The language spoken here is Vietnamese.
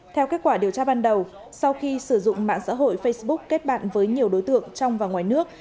theo kết quả điều tra ban đầu sau khi sử dụng mạng xã hội facebook kết bạn với nhiều đối tượng trong và ngoài nước